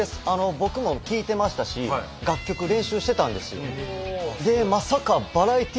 僕も聴いてましたし楽曲練習してたんですよ。